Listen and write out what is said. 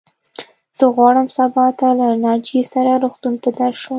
زه غواړم سبا ته له ناجيې سره روغتون ته درشم.